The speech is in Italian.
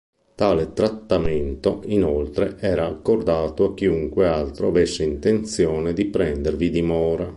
Tale trattamento, inoltre, era accordato a chiunque altro avesse intenzione di prendervi dimora.